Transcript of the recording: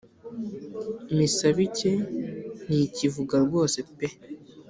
misabike ntikivuga rwose pe